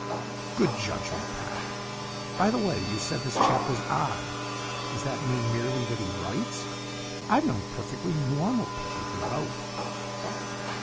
"Good judgment, Pat. By the way, you said this chap was odd. Does that mean merely that he writes? I've known perfectly normal people who wrote."